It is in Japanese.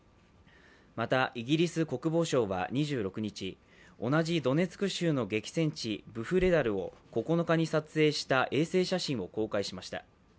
また、イギリス国防省は２６日、同じドネツク州の激戦地ブフレダルを９日に撮影した衛星写真を公開しました。